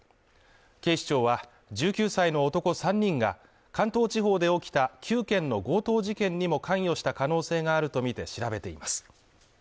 警視庁は１９歳の男３人が関東地方で起きた９件の強盗事件にも関与した可能性があるとみて調べています。